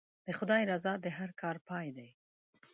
د خدای رضا د هر کار پای دی.